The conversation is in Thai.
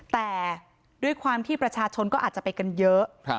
แต่ด้วยความที่ประชาชนก็อาจจะไปกันเยอะ